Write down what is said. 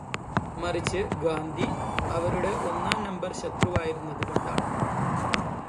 മറിച്ച് ഗാന്ധി അവരുടെ ഒന്നാം നമ്പര് ശത്രുവായിരുന്നതു കൊണ്ടാണ്.